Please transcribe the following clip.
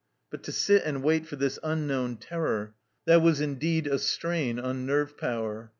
But to sit and wait for this unknown terror, that was indeed a strain on nerve power.